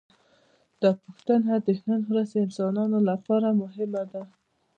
دا پوښتنه د نن ورځې انسانانو لپاره مهمه ده.